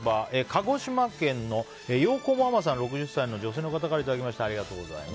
鹿児島県の６０歳の女性の方からいただきました。